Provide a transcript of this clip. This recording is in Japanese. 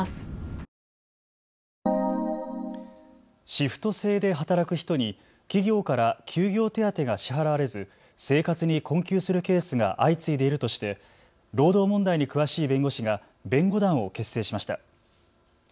シフト制で働く人に企業から休業手当が支払われず生活に困窮するケースが相次いでいるとして労働問題に詳しい弁護士が弁護団を結成しました。